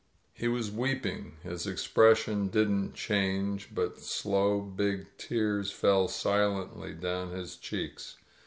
He was weeping. His expression didn't change, but slow, big tears fell silently down his cheeks.